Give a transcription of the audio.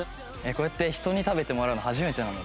こうやって人に食べてもらうの初めてなので。